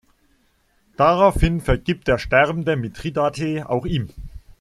Daraufhin vergibt der sterbende Mitridate auch ihm.